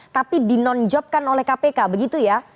tapi di non jobkan oleh kpk begitu ya